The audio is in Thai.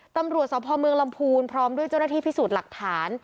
ตำรวจสพเมืองลำพูนพร้อมด้วยเจ้าหน้าที่พิสูจน์หลักฐาน